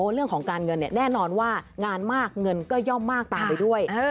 เรื่องของการเงินเนี่ยแน่นอนว่างานมากเงินก็ย่อมมากตามไปด้วย